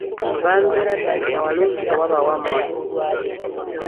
Baalugera dda nti awalungi tewaba wammwe.